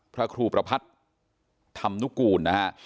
พระครูประพัทธ์ธรรมนุกูลนะฮะ